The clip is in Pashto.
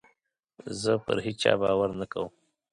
زه پر هېچا باور نه کوم.